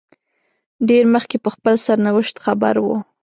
ډېر مخکې په خپل سرنوشت خبر وو.